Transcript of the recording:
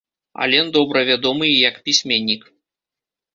Ален добра вядомы і як пісьменнік.